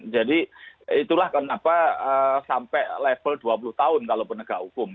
jadi itulah kenapa sampai level dua puluh tahun kalau penegak hukum